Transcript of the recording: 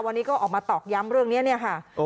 วันนี้ก็ออกมาตอกย้ำเรื่องนี้เนี่ยค่ะ